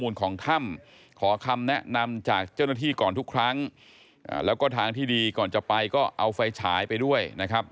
แล้วก็ทางที่ดีก่อนจะไปก็เอาไฟฉายไปด้วยนะครับ